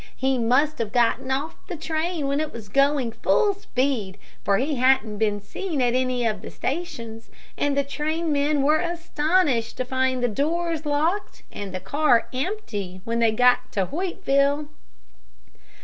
He must have gotten off the train when it was going full speed, for he hadn't been seen at any of the stations, and the trainmen were astonished to find the doors locked and the car empty, when they got to Hoytville.